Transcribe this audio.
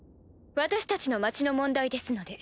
私たちの町の問題ですので。